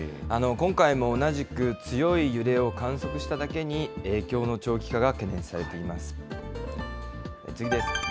今回も同じく、強い揺れを観測しただけに、影響の長期化が懸念されています。